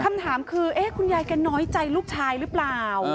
คำถามคือคุณยายแกน้อยใจลูกชายหรือเปล่า